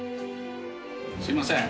すいません。